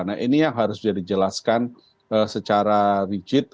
nah ini yang harus bisa dijelaskan secara rigid